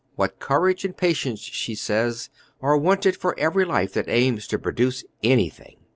"What courage and patience," she says, "are wanted for every life that aims to produce anything!"